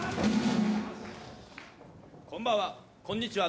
こんばんは。